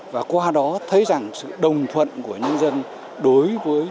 và qua đó thấy rằng sự đồng thuận của nhân dân đối với